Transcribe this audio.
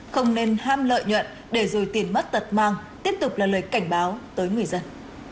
không nên ham lợi nhuận để rồi tiền mất tật mang tiếp tục là lời cảnh báo tới người dân